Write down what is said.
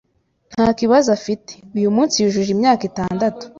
nta kibazo afite, uyu munsi yujuje imyaka itandatu